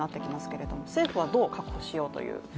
政府はどう確保しようという。